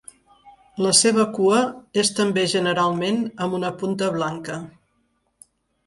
La seva cua és també generalment amb una punta blanca.